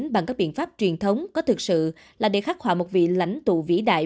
bằng các biện pháp truyền thống có thực sự là để khắc họa một vị lãnh tụ vĩ đại